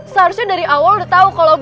seharusnya dari awal lo udah tahu kalau gue